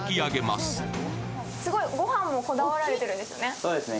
すごい御飯もこだわられてるんですよね？